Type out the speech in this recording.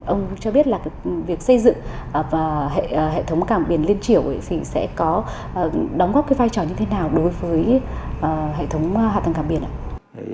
ông cho biết là việc xây dựng hệ thống cảng biển liên triểu thì sẽ có đóng góp cái vai trò như thế nào đối với hệ thống hạ tầng cảng biển ạ